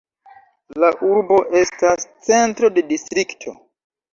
La urbo estas centro de distrikto.